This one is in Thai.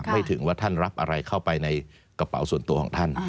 ไม่ถึงว่าท่านรับอะไรเข้าไปในกระเป๋าส่วนตัวของท่าน